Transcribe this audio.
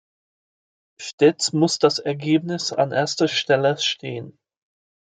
Stets muss das Ergebnis an erster Stelle stehen.